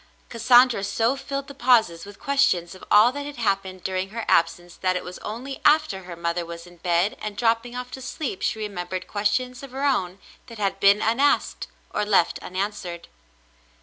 Cassandra so filled the pauses with questions of all that had happened during her absence that it was only after her mother was in bed and dropping off to sleep she remembered ques tions of her own that had been unasked, or left unan swered.